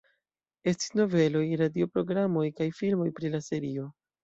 Estis noveloj, radio programoj kaj filmoj pri la serio.